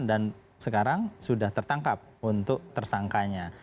dan sekarang sudah tertangkap untuk tersangkanya